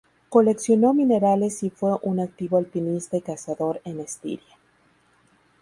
Coleccionó minerales y fue un activo alpinista y cazador en Estiria.